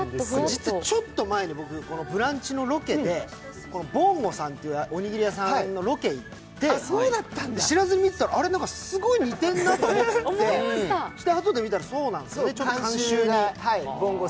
ちょっと前に「ブランチ」のロケで、このぼんごさんっていうおにぎり屋さんのロケに行ってあれ、何かすごい似てんなと思ってあとで見たらそうなんですね、監修に。